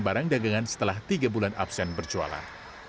barang dagangan setelah tiga bulan absen berjualan